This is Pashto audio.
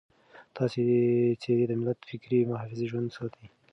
داسې څېرې د ملت فکري حافظه ژوندۍ ساتي.